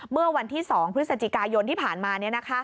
เมื่อวันที่๒พฤศจิกายนที่ผ่านมา